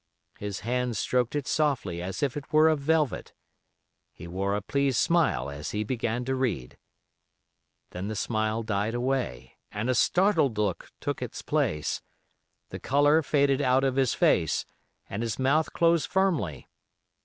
His hand stroked it softly as if it were of velvet. He wore a pleased smile as he began to read. Then the smile died away and a startled look took its place. The color faded out of his face, and his mouth closed firmly.